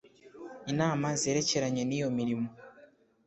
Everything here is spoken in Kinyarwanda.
inama zerekeranye niyo mirimo